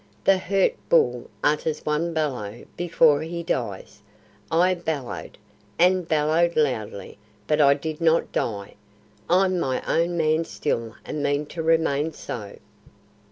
The hurt bull utters one bellow before he dies. I bellowed, and bellowed loudly, but I did not die. I'm my own man still and mean to remain so."